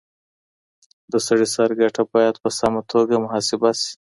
د سړي سر ګټه بايد په سمه توګه محاسبه سي.